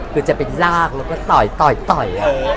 คือจะเป็นรากแล้วก็ต่อย